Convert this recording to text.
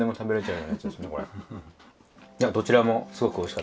いやどちらもすごくおいしかったです。